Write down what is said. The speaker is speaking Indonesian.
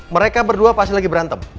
mereka berdua pasti lagi berantem